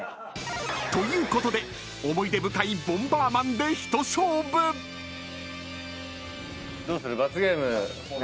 ［ということで思い出深い『ボンバーマン』で一勝負］どうする？